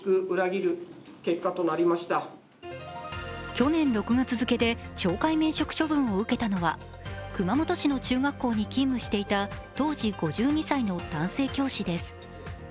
去年６月付で懲戒免職処分を受けたのは熊本市の中学校に勤務していた当時５２歳の男性教師です。